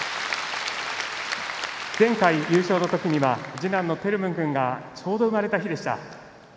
前回優勝の時には次男のテルムン君がちょうど生まれた日でした。